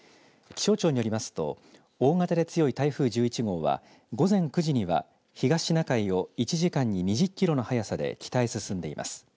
気象庁によりますと大型で強い台風１１号は午前９時には東シナ海を１時間に２０キロの速さで北へ進んでいます。